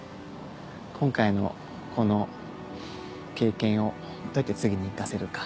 今回のこの経験をどうやって次に生かせるか。